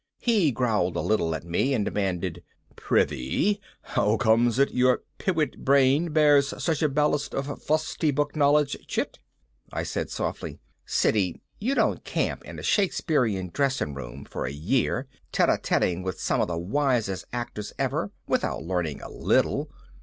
He growled a little at me and demanded, "Prithee, how comes it your peewit brain bears such a ballast of fusty book knowledge, chit?" I said softly, "Siddy, you don't camp in a Shakespearean dressing room for a year, tete a teting with some of the wisest actors ever, without learning a little.